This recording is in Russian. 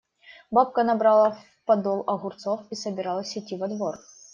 Бабка набрала в подол огурцов и собиралась идти во двор.